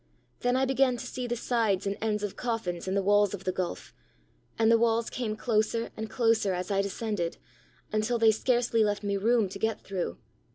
Then I began to see the sides and ends of coffins in the walls of the gulf; and the walls came closer and closer as I descended, until they scarcely left me room to get through.